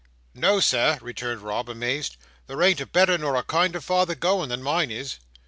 "No, Sir!" returned Rob, amazed. "There ain't a better nor a kinder father going, than mine is."